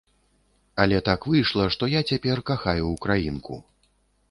Але так выйшла, што я цяпер кахаю ўкраінку.